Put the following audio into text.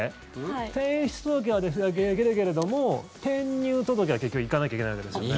転出届はできるけれども転入届は結局行かなきゃいけないんですよね。